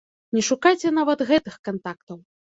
Не шукайце нават гэтых кантактаў.